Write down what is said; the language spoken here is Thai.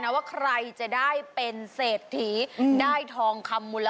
ส่วนใครจะเป็นผู้โชคดี